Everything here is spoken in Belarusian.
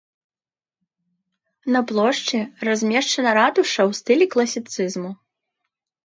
На плошчы размешчана ратуша ў стылі класіцызму.